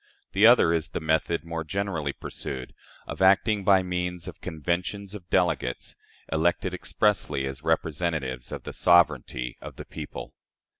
The other is the method, more generally pursued, of acting by means of conventions of delegates elected expressly as representatives of the sovereignty of the people.